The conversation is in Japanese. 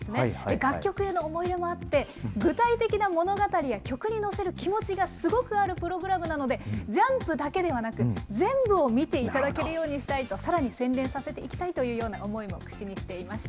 楽曲への思い入れもあって、具体的な物語や曲に乗せる気持ちがすごくあるプログラムなので、ジャンプだけではなく、全部を見ていただけるようにしたいと、さらに洗練させていきたいというような思いも口にしていました。